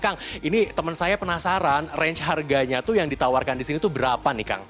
kang ini teman saya penasaran range harganya tuh yang ditawarkan di sini tuh berapa nih kang